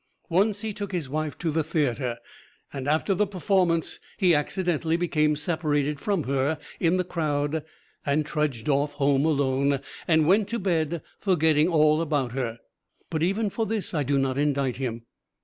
Once he took his wife to the theater; and after the performance he accidentally became separated from her in the crowd and trudged off home alone and went to bed forgetting all about her but even for this I do not indict him.